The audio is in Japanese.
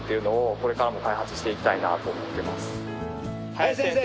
林先生！